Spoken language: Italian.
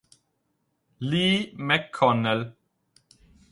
Lee McConnell